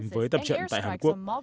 với tập trận tại hàn quốc